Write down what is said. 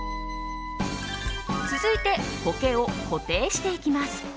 続いて、苔を固定していきます。